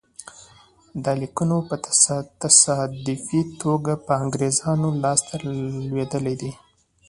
دا لیکونه په تصادفي توګه د انګرېزانو لاسته لوېدلي دي.